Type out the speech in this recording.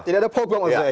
tidak ada pogba maksud saya